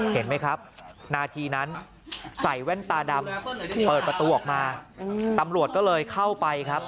เห็นไหมครับนาทีนั้นใส่แว่นตาดำเปิดประตูออกมาตำรวจก็เลยเข้าไปครับ